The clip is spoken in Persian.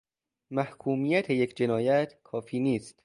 محکومیت یک جنایت کافی نیست